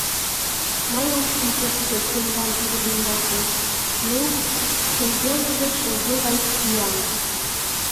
— Мый ом шинче, кузе тендан тудо лӱмдалтеш, ну, шеҥгелныже шерге гай пӱян.